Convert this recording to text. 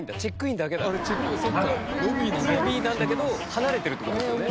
ロビーなんだけど離れてるって事ですよね。